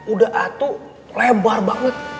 udah atuh lebar banget